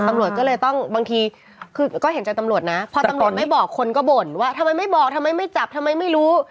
ตำรวจก็เลยต้องบางทีคือก็เห็นใจตำรวจนะพอตำรวจไม่บอกคนก็บ่นว่าทำไมไม่บอกทำไมไม่จับทำไมไม่รู้